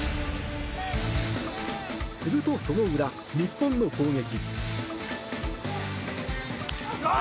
すると、その裏日本の攻撃。